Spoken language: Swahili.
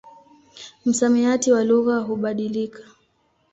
Msamiati wa lugha hubadilika.